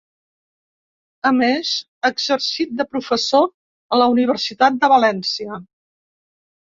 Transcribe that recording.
A més, ha exercit de professor a la Universitat de València.